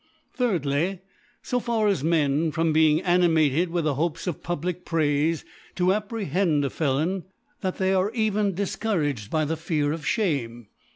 Thirdly^ So far are Men from being, animated with the Hopes of public Praife to aj^rehend a Felon, that they are even, difcouraged by the Fear of Shame.